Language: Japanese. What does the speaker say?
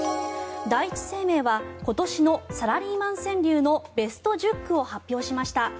第一生命は今年のサラリーマン川柳のベスト１０句を発表しました。